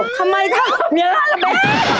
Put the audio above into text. ทำไมถ้าเมียร้านละไป